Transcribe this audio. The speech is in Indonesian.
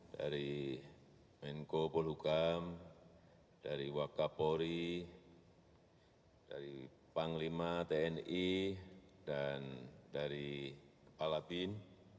dari menko polhukam dari wakapori dari panglima tni dan dari kepala bin